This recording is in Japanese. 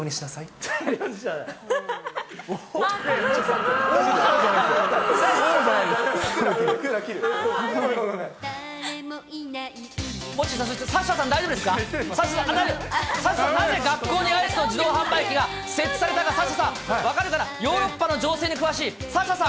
サッシャさん、なぜ学校にアイスの自動販売機が設置されたか、サッシャさん、分かるかな、ヨーロッパの情勢に詳しいサッシャさん。